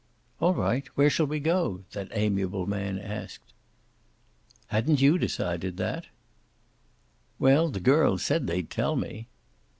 "All right where shall we go?" that amiable man asked. "Hadn't you decided that?" "Well, the girls said they'd tell me."